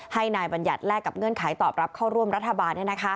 ให้นายบัญญัติแลกกับเงื่อนไขตอบรับเข้าร่วมรัฐบาล